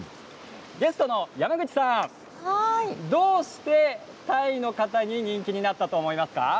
ゲストの山口さんどうしてタイの方に人気になったと思いますか？